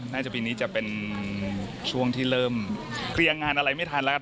จากปีนี้จะเป็นช่วงที่เริ่มเคลียร์งานอะไรไม่ทันแล้ว